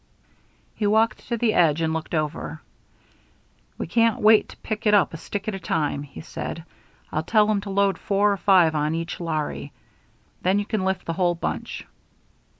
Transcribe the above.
He walked to the edge and looked over. "We can't wait to pick it up a stick at a time," he said. "I'll tell 'em to load four or five on each larry. Then you can lift the whole bunch."